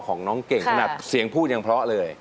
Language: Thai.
ขอบคุณค่ะ